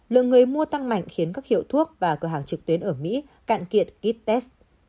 lượng người mua tăng mạnh khiến các hiệu thuốc và cửa hàng trực tuyến ở mỹ cạn kiệt test